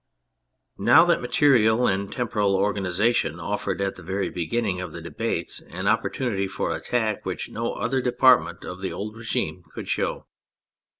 Now, that material and temporal organisa tion offered at the very beginning of the debates an opportunity for attack which no other department of the old regime could show.